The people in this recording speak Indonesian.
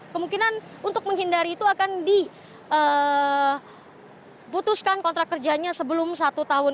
kemungkinan untuk menghindari itu akan diputuskan kontrak kerjanya sebelum satu tahun